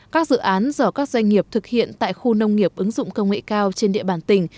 các dự án do các doanh nghiệp thực hiện tại khu nông nghiệp ứng dụng công nghệ cao trên địa bàn tỉnh